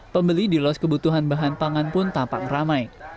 pembeli di los kebutuhan bahan pangan pun tampak ramai